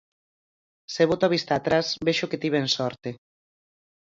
Se boto a vista atrás vexo que tiven sorte.